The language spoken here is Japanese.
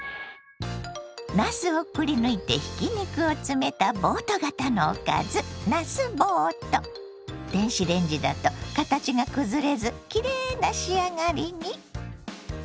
なすをくりぬいてひき肉を詰めたボート型のおかず電子レンジだと形が崩れずきれいな仕上がりに。